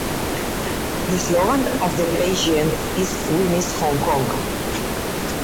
The slogan of the pageant is "We Miss Hong Kong".